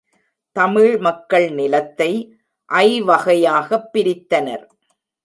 தமிழ் மக்கள் நிலத்தை ஐவகையாகப் பிரித்தனர்.